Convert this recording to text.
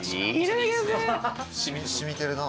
染みてるな。